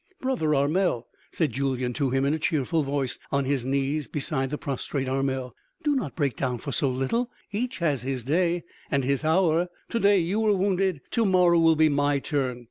"Brother Armel," said Julyan to him in a cheerful voice, on his knees beside the prostrate Armel, "do not break down for so little.... Each has his day and his hour.... To day you were wounded, to morrow will be my turn....